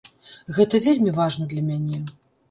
Гэта вельмі важна для мяне.